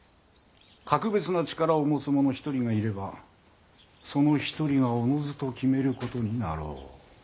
格別な力を持つ者一人がいればその一人がおのずと決めることになろう。